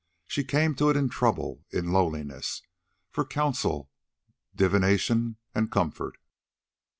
She came to it in trouble, in loneliness, for counsel, divination, and comfort.